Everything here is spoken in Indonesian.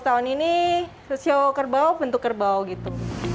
tahun ini sio kerbau bentuk kerbau gitu